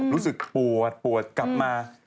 รู้สึกปวดปวดกลับมา